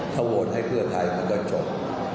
ถ้าโหวตให้เพื่อไทยมันก็จบ